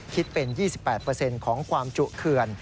คิดเป็น๒๘ของความจุเขื่อน